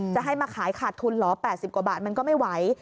จะให้มาขายขาดทุนเหรอ๘๐กว่าบาทมันก็ไม่ไหว